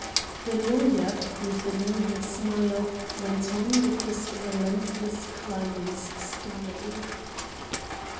The lawyer, with an evil smile, went on with his relentless client's story.